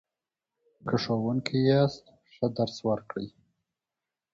که ښوونکی یاست ښه درس ورکړئ.